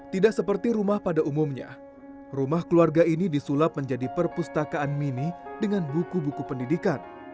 tidak seperti rumah pada umumnya rumah keluarga ini disulap menjadi perpustakaan mini dengan buku buku pendidikan